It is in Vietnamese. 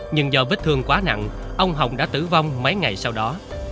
nhưng do vết thương quá nặng ông hồng đã tử vong mấy ngày sau đó